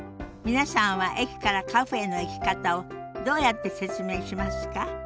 皆さんは駅からカフェへの行き方をどうやって説明しますか？